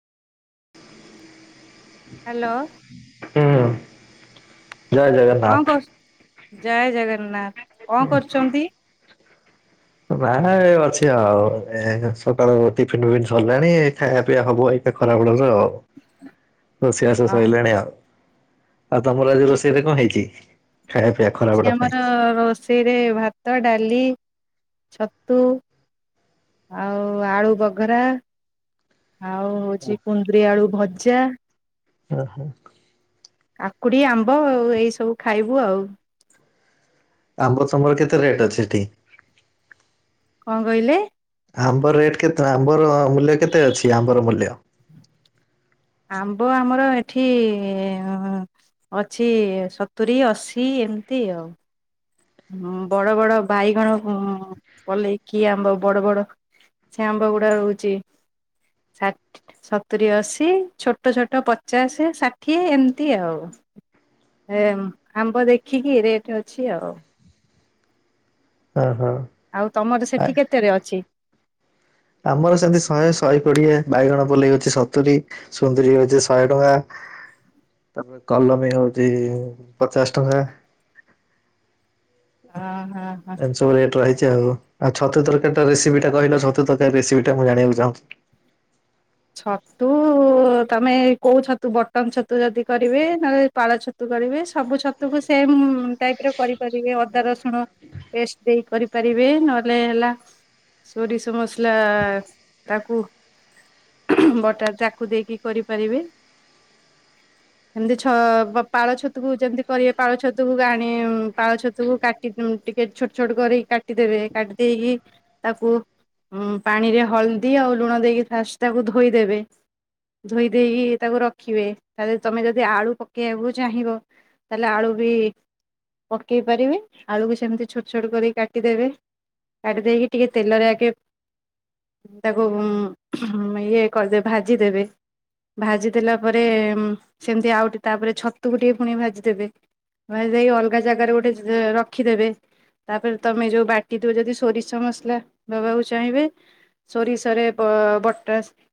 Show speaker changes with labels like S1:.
S1: Hello
S2: hello ଜୟ ଜଗ
S1: କଣ କର ଜୟ ଜଗନ୍ନାଥ କଣ କରୁଚନ୍ତି?
S2: ବାହାରେ ଅଛି ଆଉ ଏଇନେ ସକାଳୁ ଟିଫିିନ ପିଫିନ ସରିଲାଣି ଖାଇବା ପିଇଆ ହବ ଏଇ। ଏଇ ଖରା ବେଳର ତ ଅ ରୋଷେଇ ବାସ
S1: ଅଛି
S2: ସରିଲାଣି ଆଉ। ଆଉ ତମର ଆଜି ରୋଷେଇରେ କଁ ହେଇଚି ଖାଇବା ପିଇଆ?
S1: ଛି ଆମର ରୋଷେଇରେ ଭାତ, ଡାଳି, ଛତୁ। ଆଉ ଆଳୁ ବଘରା। ଆଉ ହଉଚି କୁନ୍ଦୁରିି ଆଳୁ ଭଜା।
S2: ଓ ହୋ।
S1: ଆକୁଡ଼ି ଆମ୍ବ ଆଉ ଏଇସବୁ ଖାଇବୁ ଆଉ।
S2: ଆମ୍ବ ତମର କେତେ ରେଟ୍ ଅଛି ସେଠି?
S1: କଁ କହିଲେ?
S2: ଆମ୍ବ ରେଟ୍ କେତେ? ଆମ୍ବର ମୂଲ୍ୟ କେତେ ଅଛି? ଆମ୍ବର ମୂଲ୍ୟ?
S1: ଆମ୍ବ ଆମର ଏଠି ଅ ଅଛି ସତୁରି ଅଶୀ ଏମତି ଆଉ। ହଁ ବଡ଼ ବଡ଼ ବାଇଗଣ ଉଁ ପଲେଇକି ଆମ୍ବ ବଡ଼ ବଡ଼ ସେ ଆମ୍ବ ଗୁଡ଼ା ରହୁଚି ଷାଠ୍ ସତୁରି ଅଶୀ ଛୋଟ ଛୋଟ ପଚାଶେ, ଷାଠିଏ ଏମତି ଆଉ। ଏମ୍ ଆମ୍ବ ଦେଖିକି ରେଟ୍ ଅଛି ଆଉ।
S2: ଓ ହୋ।
S1: ଆଉ ତମର ସେଠି କେତେରେ ଅଛି?
S2: ଆମର ସେମତି ଶହେ ଶହେ କୋଡ଼ିଏ। ବାଇଗଣ ପଲେଇ ହଉଚି ସତୁରି। ସୁନ୍ଦୁରୀ ହଉଚି ଶହେ। ଟଙ୍କା ତାପରେ କଲମୀ ହଉଚି ପଚାଶ ଟଙ୍କା।
S1: ଅ ହଁ। ହଁ
S2: ଏମତି ସବୁ ରେଟ୍ ରହିଚି ଆଉ। ଆଉ ଛତୁ ତରକାରୀ ଟା ରେସିପି ଟା କହିଲ ଛତୁ ତରକାରୀ ରେସିପି ଟା ମୁଁ ଜାଣିବାକୁ ଚାହୁଁଛି।
S1: ଛତୁ ତମେ କୋଉ ଛତୁ ବଟନ ଛତୁ ଯଦି କରିବେ ନହେଲେ ପାଳ ଛତୁ କରିବେ ସବୁ ଛତୁକୁ ସେମ୍ ଟାଇପ୍ ର କରିପାରିବେ ଅଦା ରସୁଣ ପେଷ୍ଟ୍ ଦେଇ କରିପାରିବେ ନହେଲେ ହେଲା ସୋରିଷ ମସଲା ତାକୁ ଉ ହୁଁ ହୁଁ ବଟା ତାକୁ ଦେଇକି କରିପାରିବେ। ଏମତି ଛ ପାଳ ଛତୁକୁ ଯେମତି କରିବେ ପାଳ ଛତୁକୁ ଗାଣି ପାଳ ଛତୁକୁ କାଟ୍ ଟିକେ ଛୋଟ ଛୋଟ କରିକି କାଟିଦେବେ। କାଟି ଦେଇକି ତାକୁ ହୁଁ ପାଣିରେ ହଳଦୀ ଆଉ ଲୁଣ ଦେଇକି ଫାଷ୍ଟ୍ ତାକୁ ଧୋଇଦେବେ। ଧୋଇ ଦେଇକି ତାକୁ ରଖିବେ ତ ତମେ ଯଦି ଆଳୁ ପକେଇବାକୁ ଚାହିଁବ ତାହେଲେ ଆଳୁ ବି ପକେଇ ପାରିବେ। ଆଳୁକୁ ସେମିତି ଛୋଟ ଛୋଟ କରିକି କାଟିଦେବେ। କାଟି ଦେଇକି ଟିକେ ତେଲରେ ଆଗେ ତାକୁ ଉମ୍ ଇଏ କରିଦେବେ ଭାଜିଦେବେ। ଭାଜି ଦେଲା ପରେ ଉଁ ସେମତି ଆଉ ଟେ ତାପରେ ଛତୁକୁ ଟିକେ ପୁଣି ଭାଜିଦେବେ। ଭାଜି ଦେଇକି ଅଲଗା ଜାଗାରେ ଗୋଟେ ରଖିଦେବେ। ତାପରେ ତମେ ଯୋଉ ବାଟି ଥିବ ଯଦି ସୋରିଷ ମସଲା ଦେବାକୁ ଚାହିଁବେ। ସୋରିଷରେ ବ ଅ ବଟାସ୍